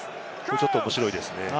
ちょっと面白いですね。